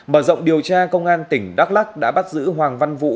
bởi dọng điều tra công an tỉnh đắk lắc đã bắt giữ hoàng văn vũ